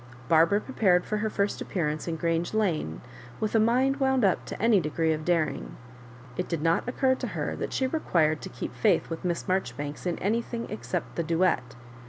Barbara prepared for her first appearance in Grange Lane, with a mind wound up to any degree of daring. It did not occur to her that^she required to keep faith with Miss Maijoribanks in anything except the duet.